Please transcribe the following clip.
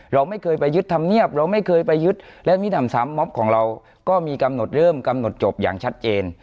เราไม่เคยไปยึดธรรมเนียบเราไม่เคยไปยึดและมีหนำซ้ำมอบของเราก็มีกำหนดเริ่มกำหนดจบอย่างชัดเจน